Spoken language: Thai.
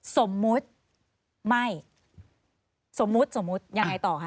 สมมติไม่